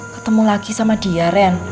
ketemu lagi sama dia ren